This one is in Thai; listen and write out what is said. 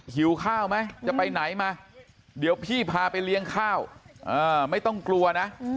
หิวข้าวไหมจะไปไหนมาเดี๋ยวพี่พาไปเลี้ยงข้าวไม่ต้องกลัวนะ